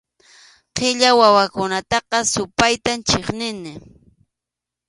Qilla wawakunataqa supaytam chiqnini.